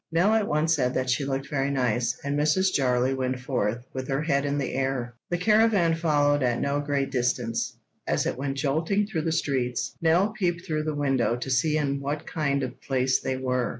Nell at once said that she looked very nice, and Mrs. Jarley went forth with her head in the air. The caravan followed at no great distance. As it went jolting through the streets, Nell peeped through the window to see in what kind of place they were.